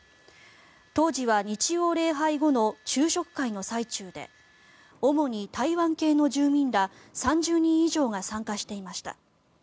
当時は日曜礼拝後の昼食会の最中で主に台湾系の住民ら３０人以上が参加していました。